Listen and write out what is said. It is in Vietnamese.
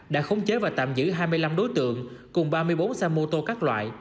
đã khống chế và tạm giữ hai mươi năm đối tượng cùng ba mươi bốn xe mô tô các loại